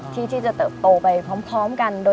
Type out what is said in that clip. ที่จะเติบโตไปพร้อมกัน